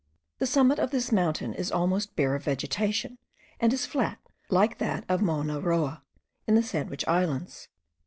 The summit of this mountain is almost bare of vegetation, and is flat like that of Mowna Roa, in the Sandwich Islands.